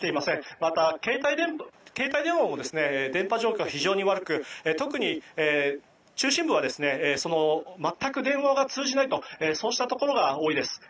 また、携帯電話も電波状況は非常に悪く特に中心部は全く電話が通じないところが多いです。